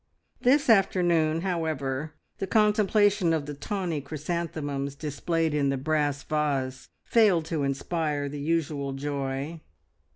This afternoon, however, the contemplation of the tawny chrysanthemums displayed in the brass vase failed to inspire the usual joy.